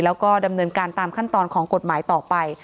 แล้วก็ดำเนินการตามขั้นตอนของกฎหมายต่อไป